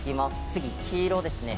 次、黄色ですね。